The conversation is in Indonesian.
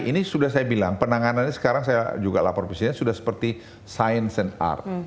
ini sudah saya bilang penanganannya sekarang saya juga lapor pesisinya sudah seperti science and art